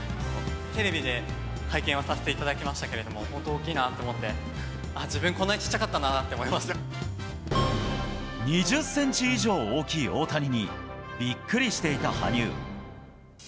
テレビで拝見はさせていただきましたけれども、本当大きいなと思って、自分、こんなにちっち２０センチ以上大きい大谷に、びっくりしていた羽生。